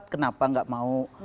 kenapa tidak mau